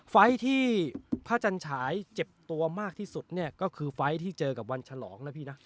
ไฟล์ที่พระจันฉายเจ็บตัวมากที่สุดเนี่ยก็คือไฟล์ที่เจอกับวันฉลองนะพี่นะ